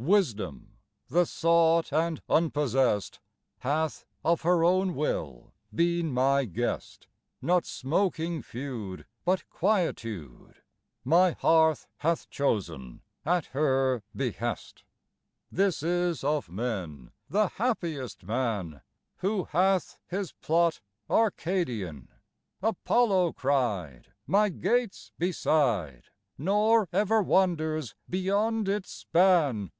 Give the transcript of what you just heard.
Wisdom, the sought and unpossessed, Hath of her own will been my guest; Not smoking feud, but quietude My heart hath chosen, at her behest. 'This is of men the happiest man Who hath his plot Arcadian,' Apollo cried, my gates beside, 'Nor ever wanders beyond its span.